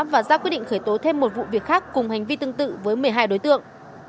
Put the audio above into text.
và ra quyết định khởi tố thêm một vụ việc khác cùng hành vi tương tự với một mươi hai đối tượng